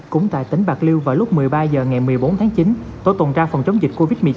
cũng tại tỉnh bạc liêu vào lúc một mươi ba h ngày một mươi bốn tháng chín tổ tuần tra phòng chống dịch covid một mươi chín